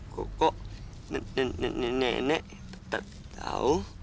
kok nenek tetep tau